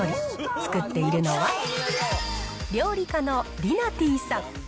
作っているのは、料理家のりなてぃさん。